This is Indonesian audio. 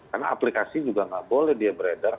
karena aplikasi juga nggak boleh dia beredar